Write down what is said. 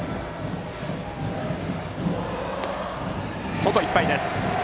外いっぱいです。